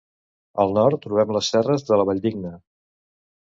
Al nord trobem les serres de la Valldigna.